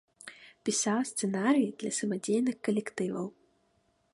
Пісаў сцэнарыі для самадзейных калектываў.